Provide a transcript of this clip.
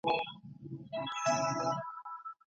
دولتي پوهنتون پرته له پلانه نه پراخیږي.